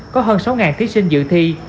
có hơn sáu thí sinh dự thi